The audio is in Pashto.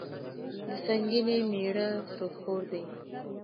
د سنګینې میړه سودخور دي.